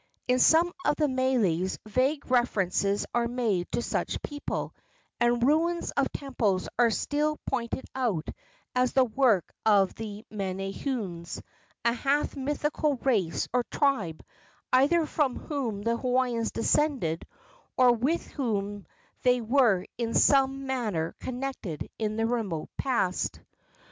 In some of the meles vague references are made to such a people, and ruins of temples are still pointed out as the work of the Menehunes a half mythical race or tribe, either from whom the Hawaiians descended, or with whom they were in some manner connected in the remote past.